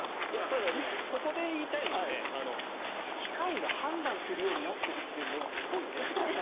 ただ、ここで言いたいのは機械が判断するようになってるのがすごいねという。